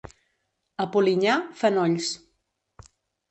A Polinyà, fenolls.